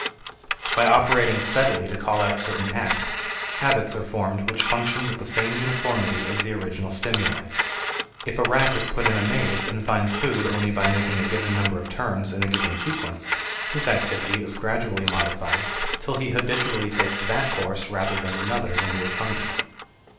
By operating steadily to call out certain acts, habits are formed which function with the same uniformity as the original stimuli. If a rat is put in a maze and finds food only by making a given number of turns in a given sequence, his activity is gradually modified till he habitually takes that course rather than another when he is hungry.